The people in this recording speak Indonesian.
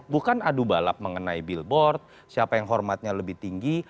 bukan adu balap mengenai billboard siapa yang hormatnya lebih tinggi